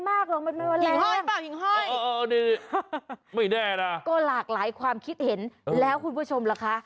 มากหรอกไม่แน่นะก็หลากหลายความคิดเห็นแล้วคุณผู้ชมล่ะคะ